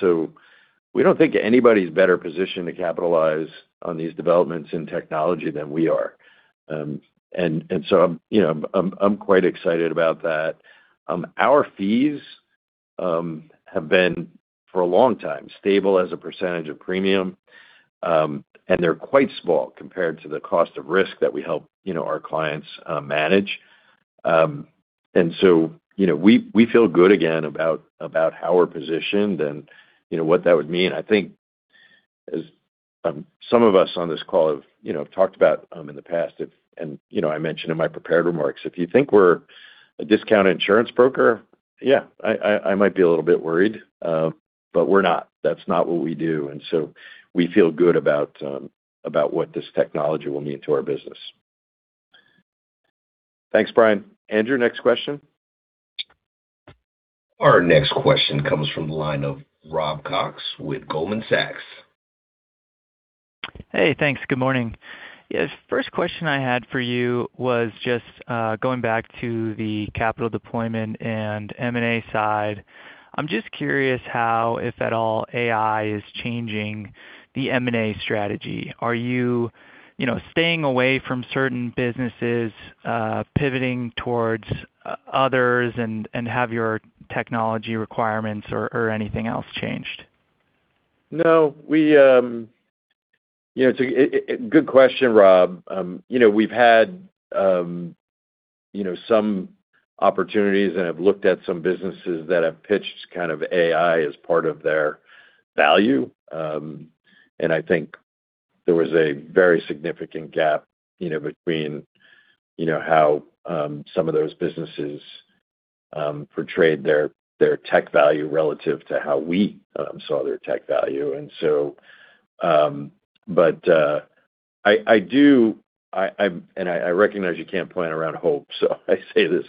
We don't think anybody's better positioned to capitalize on these developments in technology than we are. I'm quite excited about that. Our fees have been, for a long time, stable as a percentage of premium, and they're quite small compared to the cost of risk that we help our clients manage. We feel good again about how we're positioned and what that would mean. I think as some of us on this call have talked about in the past, and I mentioned in my prepared remarks, if you think we're a discount insurance broker, yeah, I might be a little bit worried. We're not. That's not what we do. We feel good about what this technology will mean to our business. Thanks, Brian. Andrew, next question. Our next question comes from the line of Robert Cox with Goldman Sachs. Hey, thanks. Good morning. Yes, first question I had for you was just going back to the capital deployment and M&A side. I'm just curious how, if at all, AI is changing the M&A strategy. Are you staying away from certain businesses, pivoting towards others, and have your technology requirements or anything else changed? No. Good question, Rob. We've had some opportunities and have looked at some businesses that have pitched kind of AI as part of their value. I think there was a very significant gap between how some of those businesses portrayed their tech value relative to how we saw their tech value. I recognize you can't plan around hope, so I say this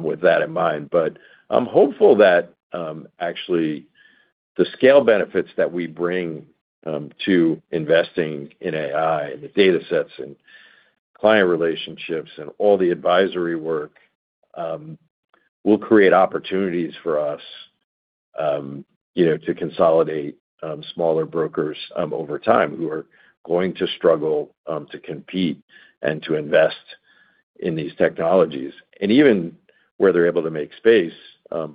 with that in mind, but I'm hopeful that actually the scale benefits that we bring to investing in AI, and the data sets, and client relationships, and all the advisory work will create opportunities for us to consolidate smaller brokers over time who are going to struggle to compete and to invest in these technologies. Even where they're able to make space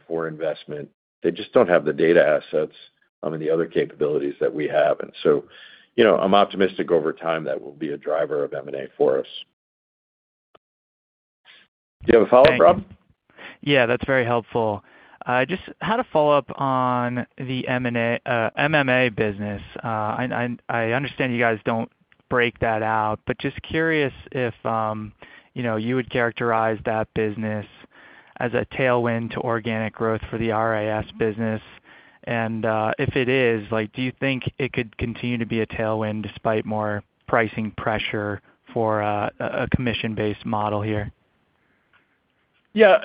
for investment, they just don't have the data assets and the other capabilities that we have. I'm optimistic over time that will be a driver of M&A for us. Do you have a follow-up, Rob? Yeah, that's very helpful. Just had a follow-up on the MMA business. I understand you guys don't break that out, but just curious if you would characterize that business as a tailwind to organic growth for the RIS business. If it is, do you think it could continue to be a tailwind despite more pricing pressure for a commission-based model here? Yeah.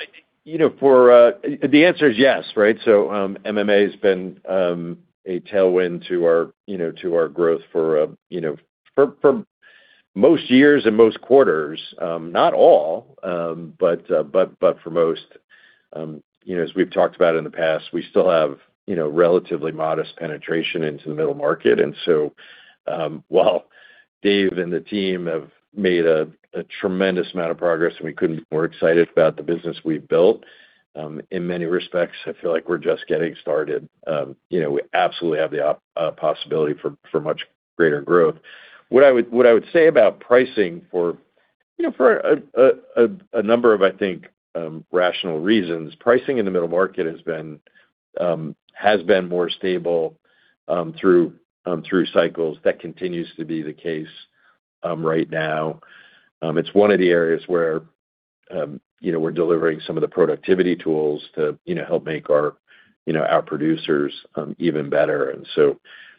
The answer is yes, right? MMA has been a tailwind to our growth for most years and most quarters. Not all, but for most. As we've talked about in the past, we still have relatively modest penetration into the middle market. While Dave and the team have made a tremendous amount of progress, and we couldn't be more excited about the business we've built, in many respects, I feel like we're just getting started. We absolutely have the possibility for much greater growth. What I would say about pricing for a number of, I think, rational reasons, pricing in the middle market has been more stable through cycles. That continues to be the case right now. It's one of the areas where we're delivering some of the productivity tools to help make our producers even better.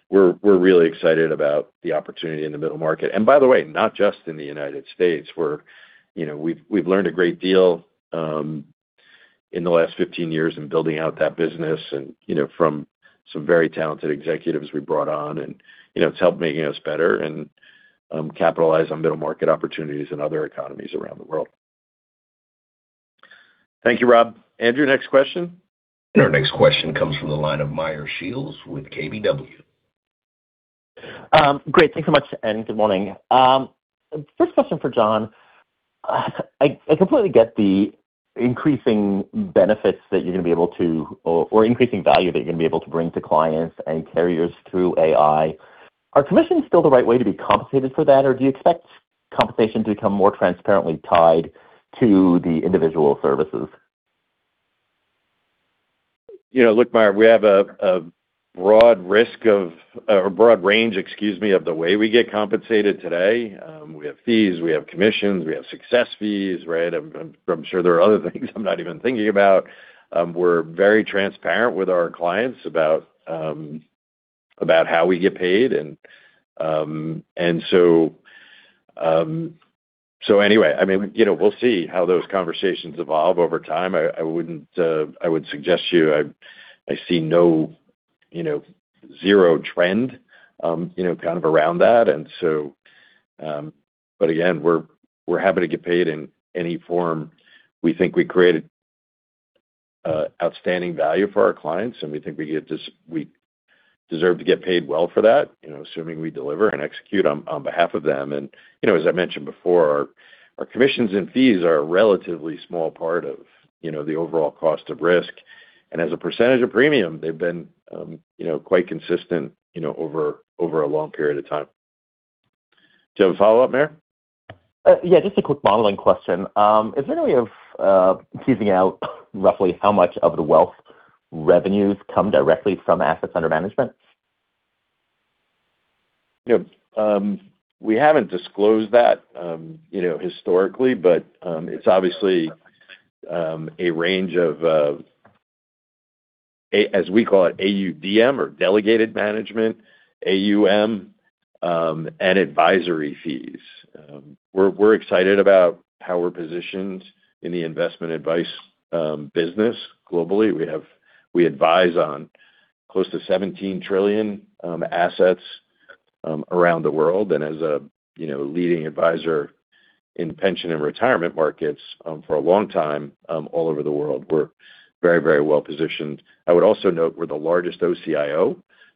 We're really excited about the opportunity in the middle market. By the way, not just in the United States. We've learned a great deal in the last 15 years in building out that business and from some very talented executives we brought on. It's helped make us better and capitalize on middle market opportunities in other economies around the world. Thank you, Rob. Andrew, next question. Our next question comes from the line of Meyer Shields with KBW. Great. Thanks so much, and good morning. First question for John. I completely get the increasing benefits or increasing value that you're going to be able to bring to clients and carriers through AI. Are commissions still the right way to be compensated for that, or do you expect compensation to become more transparently tied to the individual services? Look, Meyer, we have a broad range of the way we get compensated today. We have fees, we have commissions, we have success fees, right? I'm sure there are other things I'm not even thinking about. We're very transparent with our clients about how we get paid. Anyway, we'll see how those conversations evolve over time. I would suggest to you, I see no real trend kind of around that. Again, we're happy to get paid in any form. We think we created outstanding value for our clients, and we think we deserve to get paid well for that assuming we deliver and execute on behalf of them. As I mentioned before, our commissions and fees are a relatively small part of the overall cost of risk. As a percentage of premium, they've been quite consistent over a long period of time. Do you have a follow-up, Meyer? Yeah, just a quick modeling question. Is there a way of teasing out roughly how much of the wealth revenues come directly from assets under management? We haven't disclosed that historically, but it's obviously a range of, as we call it, AUDM or delegated management, AUM, and advisory fees. We're excited about how we're positioned in the investment advice business globally. We advise on close to $17 trillion assets around the world, and as a leading advisor in pension and retirement markets for a long time all over the world, we're very well-positioned. I would also note we're the largest OCIO,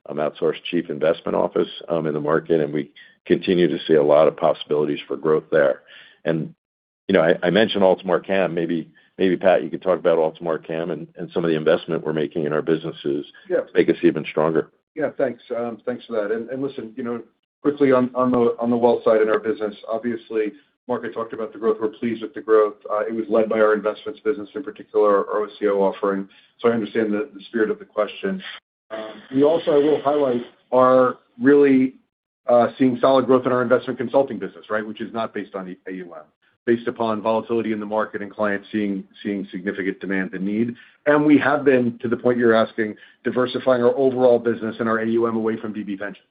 outsourced chief investment office, in the market, and we continue to see a lot of possibilities for growth there. I mentioned AltamarCAM. Maybe Pat, you could talk about AltamarCAM and some of the investment we're making in our businesses. Yes. To make us even stronger. Yeah. Thanks. Thanks for that. Listen, quickly on the wealth side in our business, obviously Mark had talked about the growth. We're pleased with the growth. It was led by our investments business, in particular our OCIO offering. I understand the spirit of the question. We also, I will highlight, are really seeing solid growth in our investment consulting business, right? Which is not based on AUM, based upon volatility in the market and clients seeing significant demand and need. We have been, to the point you're asking, diversifying our overall business and our AUM away from DB pensions,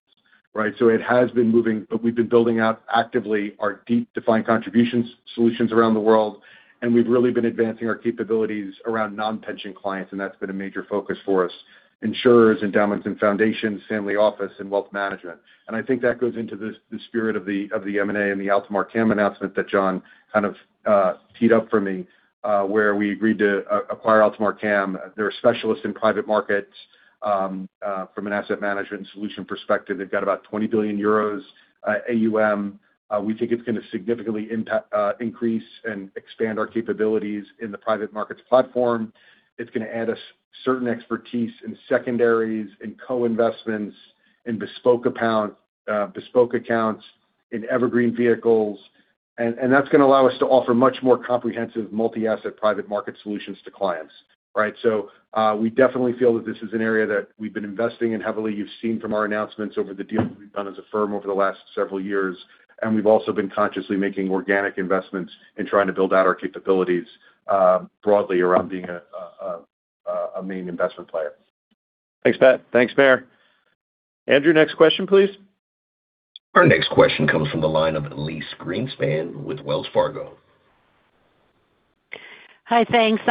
right? It has been moving, but we've been building out actively our defined contributions solutions around the world, and we've really been advancing our capabilities around non-pension clients, and that's been a major focus for us. Insurers, endowments and foundations, family office, and wealth management. I think that goes into the spirit of the M&A and the AltamarCAM announcement that John kind of teed up for me, where we agreed to acquire AltamarCAM. They're a specialist in private markets from an asset management solution perspective. They've got about 20 billion euros AUM. We think it's going to significantly increase and expand our capabilities in the private markets platform. It's going to add a certain expertise in secondaries and co-investments, in bespoke accounts, in evergreen vehicles. That's going to allow us to offer much more comprehensive multi-asset private market solutions to clients, right? We definitely feel that this is an area that we've been investing in heavily. You've seen from our announcements over the deals that we've done as a firm over the last several years, and we've also been consciously making organic investments in trying to build out our capabilities broadly around being a main investment player. Thanks, Pat. Thanks, Mark. Andrew, next question, please. Our next question comes from the line of Elyse Greenspan with Wells Fargo. Hi. Thanks.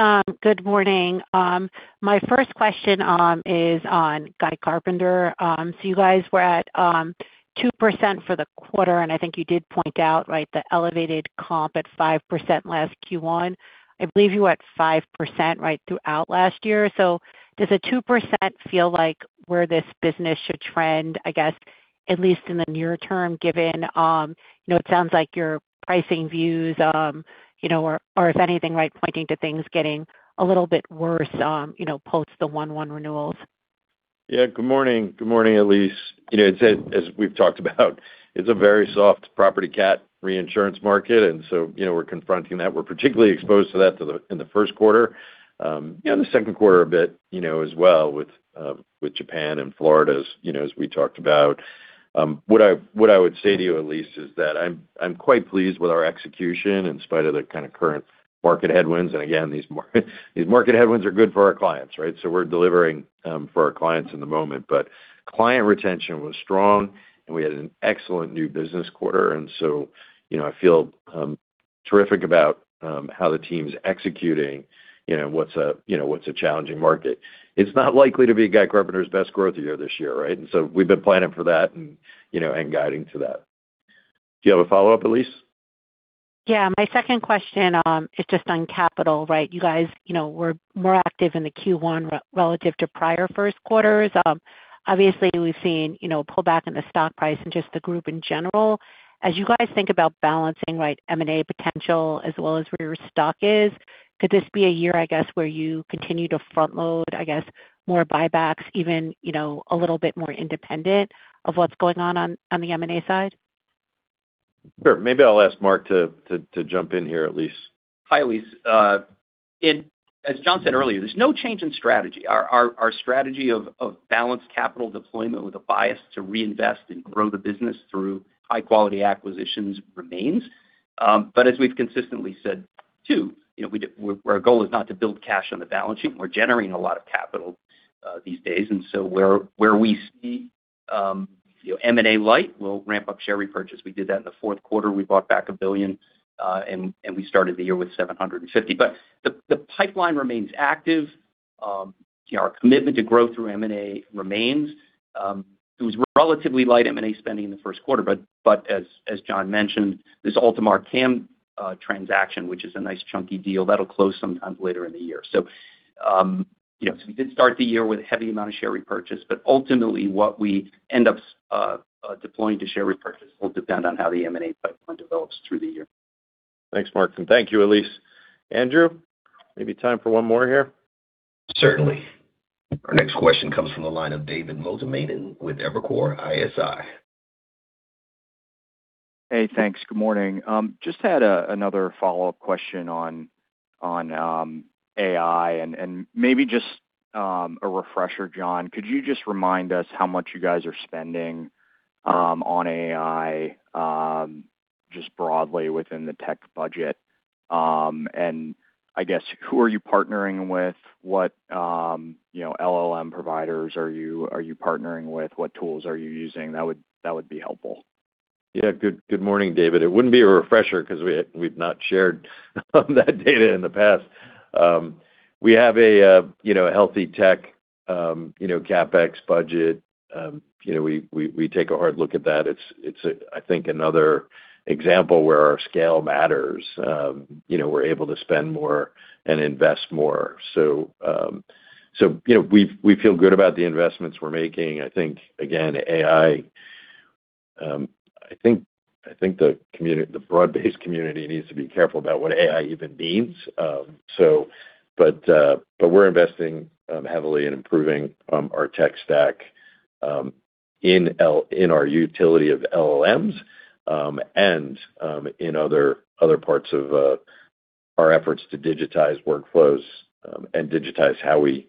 Good morning. My first question is on Guy Carpenter. You guys were at 2% for the quarter, and I think you did point out, right, the elevated comp at 5% last Q1. I believe you were at 5% right throughout last year. Does a 2% feel like where this business should trend, I guess, at least in the near term, given it sounds like your pricing views, or if anything, right, pointing to things getting a little bit worse post the 1/1 renewals. Yeah. Good morning, Elyse. As we've talked about, it's a very soft property cat reinsurance market, and so we're confronting that. We're particularly exposed to that in the Q1, and the Q2 a bit as well with Japan and Florida, as we talked about. What I would say to you, Elyse, is that I'm quite pleased with our execution in spite of the kind of current market headwinds. Again, these market headwinds are good for our clients, right? We're delivering for our clients in the moment. Client retention was strong, and we had an excellent new business quarter. I feel terrific about how the team's executing what's a challenging market. It's not likely to be Guy Carpenter's best growth year this year, right? We've been planning for that and guiding to that. Do you have a follow-up, Elyse? Yeah. My second question is just on capital, right? You guys were more active in the Q1 relative to prior Q1s. Obviously, we've seen pullback in the stock price and just the group in general. As you guys think about balancing M&A potential as well as where your stock is, could this be a year, I guess, where you continue to front-load, I guess, more buybacks even a little bit more independent of what's going on the M&A side? Sure. Maybe I'll ask Mark to jump in here, Elyse. Hi, Elyse. As John said earlier, there's no change in strategy. Our strategy of balanced capital deployment with a bias to reinvest and grow the business through high-quality acquisitions remains. As we've consistently said, too, our goal is not to build cash on the balance sheet. We're generating a lot of capital these days, and so where we see M&A light, we'll ramp up share repurchase. We did that in the Q4. We bought back $1 billion, and we started the year with $750 million. The pipeline remains active. Our commitment to growth through M&A remains. It was relatively light M&A spending in the Q1, but as John mentioned, this AltamarCAM transaction, which is a nice chunky deal, that'll close sometime later in the year. We did start the year with a heavy amount of share repurchase, but ultimately what we end up deploying to share repurchase will depend on how the M&A pipeline develops through the year. Thanks, Mark, and thank you, Elyse. Andrew, maybe it's time for one more here. Certainly. Our next question comes from the line of David Motemaden with Evercore ISI. Hey, thanks. Good morning. Just had another follow-up question on AI and maybe just a refresher, John. Could you just remind us how much you guys are spending on AI, just broadly within the tech budget? And I guess, who are you partnering with? What LLM providers are you partnering with? What tools are you using? That would be helpful. Yeah. Good morning, David. It wouldn't be a refresher because we've not shared that data in the past. We have a healthy tech CapEx budget. We take a hard look at that. It's, I think, another example where our scale matters. We're able to spend more and invest more. We feel good about the investments we're making. I think, again, AI, I think the broad-based community needs to be careful about what AI even means. We're investing heavily in improving our tech stack in our utility of LLMs, and in other parts of our efforts to digitize workflows, and digitize how we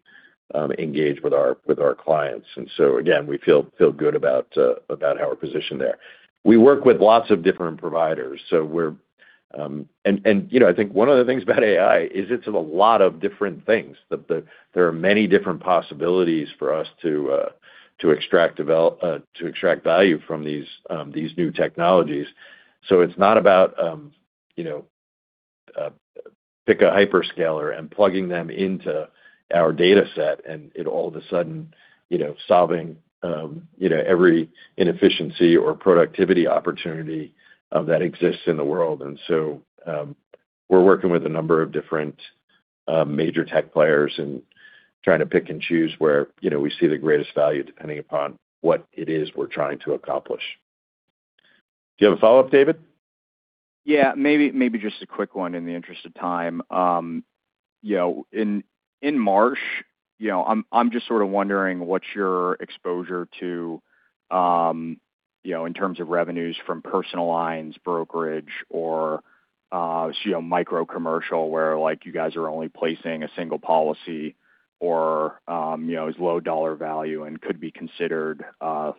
engage with our clients. We feel good about how we're positioned there. We work with lots of different providers. I think one of the things about AI is it's a lot of different things. There are many different possibilities for us to extract value from these new technologies. It's not about pick a hyperscaler and plugging them into our data set and it all of a sudden solving every inefficiency or productivity opportunity that exists in the world. We're working with a number of different major tech players and trying to pick and choose where we see the greatest value depending upon what it is we're trying to accomplish. Do you have a follow-up, David? Yeah. Maybe just a quick one in the interest of time. In Marsh, I'm just sort of wondering what's your exposure in terms of revenues from personal lines brokerage or micro commercial where you guys are only placing a single policy or is low dollar value and could be considered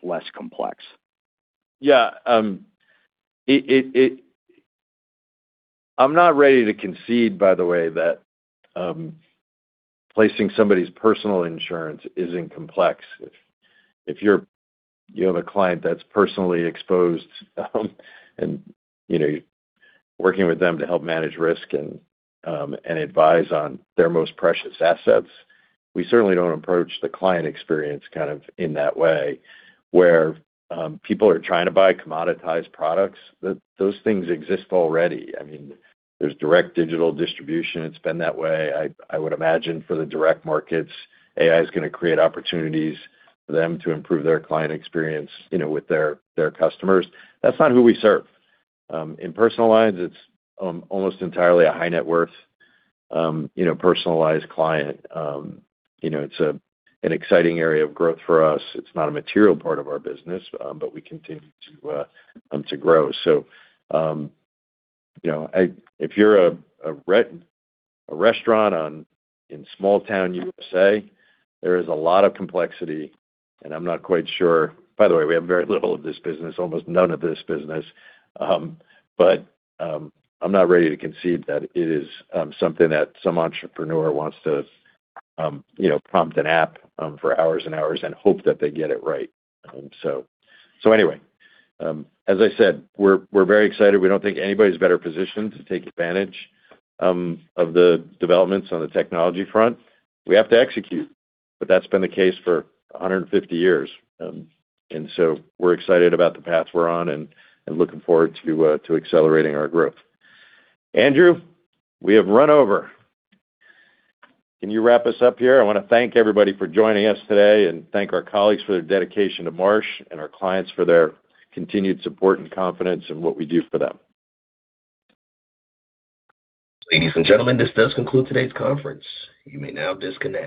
less complex. Yeah. I'm not ready to concede, by the way, that placing somebody's personal insurance isn't complex. If you have a client that's personally exposed and you're working with them to help manage risk and advise on their most precious assets, we certainly don't approach the client experience in that way, where people are trying to buy commoditized products. Those things exist already. There's direct digital distribution. It's been that way. I would imagine for the direct markets, AI's going to create opportunities for them to improve their client experience with their customers. That's not who we serve. In personal lines, it's almost entirely a high net worth personalized client. It's an exciting area of growth for us. It's not a material part of our business, but we continue to grow. If you're a restaurant in small-town U.S.A., there is a lot of complexity, and I'm not quite sure. By the way, we have very little of this business, almost none of this business. I'm not ready to concede that it is something that some entrepreneur wants to prompt an app for hours and hours and hope that they get it right. Anyway, as I said, we're very excited. We don't think anybody's better positioned to take advantage of the developments on the technology front. We have to execute, but that's been the case for 150 years. We're excited about the path we're on and looking forward to accelerating our growth. Andrew, we have run over. Can you wrap us up here? I want to thank everybody for joining us today and thank our colleagues for their dedication to Marsh and our clients for their continued support and confidence in what we do for them. Ladies and gentlemen, this does conclude today's conference. You may now disconnect.